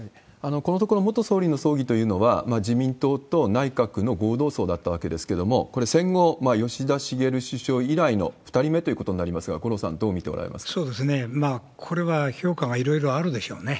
このところ、元総理の葬儀というのは、自民党と内閣の合同葬だったわけですけれども、これ、戦後、吉田茂首相以来の２人目ということになりますが、五郎さん、どうこれは評価がいろいろあるでしょうね。